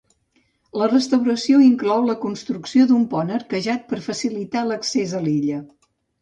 La restauració inclou la construcció d'un pont arquejat per facilitar l'accés a l'illa.